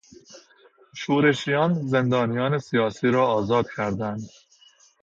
شورشیان، زندانیان سیاسی را آزاد کردند.